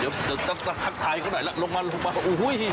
เดี๋ยวจะถักถ่ายเข้าหน่อยละลงมาลงมา